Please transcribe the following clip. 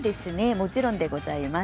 もちろんでございます。